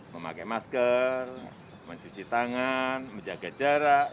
memakai masker mencuci tangan menjaga jarak